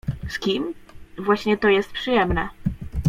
Z kim? Właśnie to jest przyjemne.